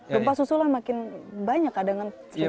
gempa susulan makin banyak kadang kadang terjadi